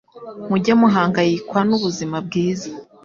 Mujye muhangayikwa n’ubuzima bwiza